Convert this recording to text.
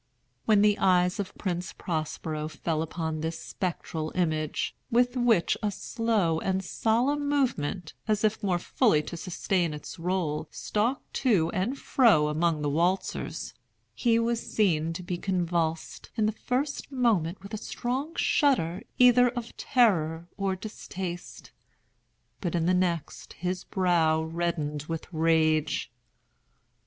When the eyes of Prince Prospero fell upon this spectral image (which with a slow and solemn movement, as if more fully to sustain its role, stalked to and fro among the waltzers) he was seen to be convulsed, in the first moment with a strong shudder either of terror or distaste; but, in the next, his brow reddened with rage.